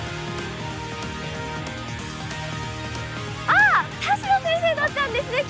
あっ田代先生だったんですね